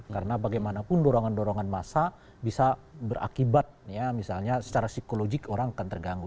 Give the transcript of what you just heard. karena bagaimanapun dorongan dorongan masa bisa berakibat ya misalnya secara psikologik orang akan terganggu